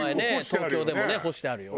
東京でもね干してあるよ。